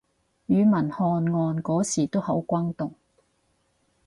庾文翰案嗰時都好轟動